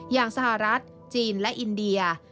อย่างสหรัฐจีนและอินเดีย